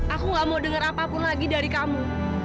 aku gak mau denger apapun lagi dari kamu